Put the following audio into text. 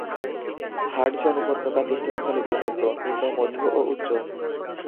Hudson উপত্যকা তিনটি অঞ্চলে বিভক্ত: নিম্ন, মধ্য ও উচ্চ।